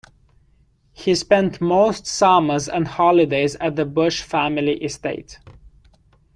He spent most summers and holidays at the Bush family estate.